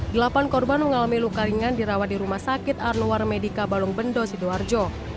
delapan korban mengalami luka ringan dirawat di rumah sakit arwar medica balongbendo sidoarjo